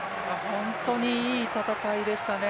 本当にいい戦いでしたね。